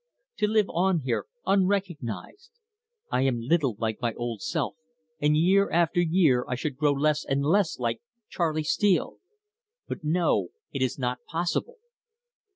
To live on here unrecognised? I am little like my old self, and year after year I should grow less and less like Charley Steele.... But, no, it is not possible!"